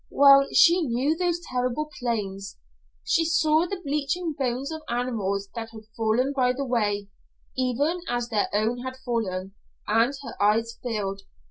Well she knew those terrible plains! She saw the bleaching bones of animals that had fallen by the way, even as their own had fallen, and her eyes filled.